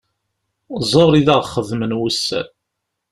Ẓer i d aɣ-xedmen wussan.